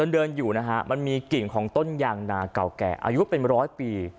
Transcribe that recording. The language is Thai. เดินอยู่นะฮะมันมีกิ่งของต้นยางนาเก่าแก่อายุเป็นร้อยปี